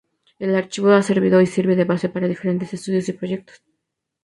El archivo ha servido y sirve de base para diferentes estudios y proyectos.